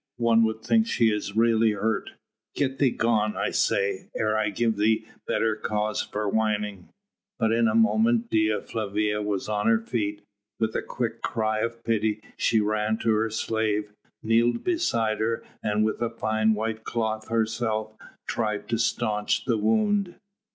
One would think she is really hurt. Get thee gone, I say, ere I give thee better cause for whining." But in a moment Dea Flavia was on her feet. With a quick cry of pity she ran to her slave, kneeled beside her and with a fine white cloth herself tried to staunch the wound.